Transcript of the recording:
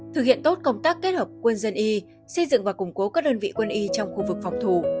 thực hiện tốt công tác kết hợp quân dân y xây dựng và củng cố các đơn vị quân y trong khu vực phòng thủ